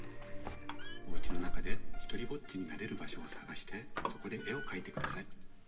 おうちのなかでひとりぼっちになれるばしょをさがしてそこでえをかいてください。